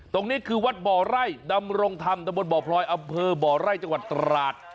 ตรงนี้คือวัดบ่อไร่ดำรงธรรมตะบนบ่อพลอยอำเภอบ่อไร่จังหวัดตราด